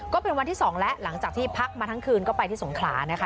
ก็เป็นวันที่๒แล้วหลังจากที่พักมาทั้งคืนก็ไปที่สงขลานะคะ